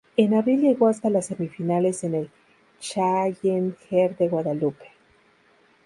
En abril llegó hasta las semifinales en el Challenger de Guadalupe.